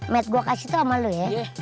met gua kasih tau sama lu ya